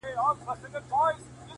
o زه چي لـه چــــا سـره خبـري كـوم ـ